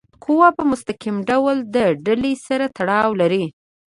قوه په مستقیم ډول د ډلي سره تړاو لري.